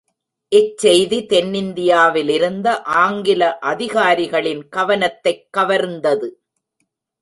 இச் செய்தி தென்னிந்தியாவிலிருந்த ஆங்கில அதிகாரிகளின் கவனத்தைக் கவர்ந்தது.